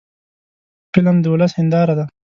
فلم د ولس هنداره ده